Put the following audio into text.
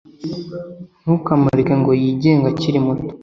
Ntukamureke ngo yigenge akiri muto,